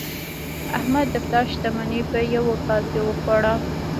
احمد د پلار شتمني په یوه کال کې وخوړه.